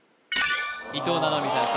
伊藤七海さん